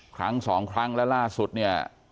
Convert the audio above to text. ครั้งสองครั้งและล่าสุดเนี่ย